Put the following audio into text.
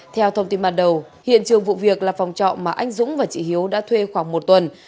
theo thông tin ban đầu hiện trường vụ việc là phòng trọ mà anh dũng và chị hiếu đã thuê khoảng một tuần